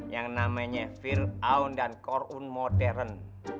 yang namanya fir'aun dan korun modern